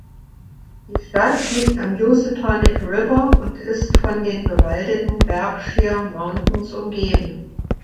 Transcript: Die Stadt liegt am Housatonic River und ist von den bewaldeten Berkshire Mountains umgeben.